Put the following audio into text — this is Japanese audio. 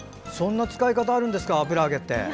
そんな使い方あるんですか油揚げって。